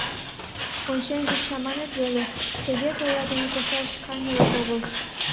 Онченже чаманет веле, тыге тоя дене кошташ каньылак огыл.